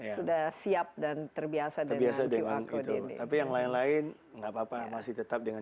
sudah siap dan terbiasa dengan qr code ini tapi yang lain lain enggak apa apa masih tetap dengan